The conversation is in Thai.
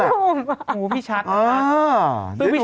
หมูพี่ชัตริ์